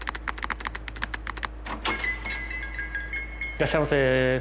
いらっしゃいませ。